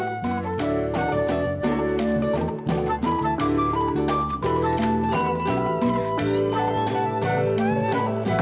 seharusnya jangan ke situation terogan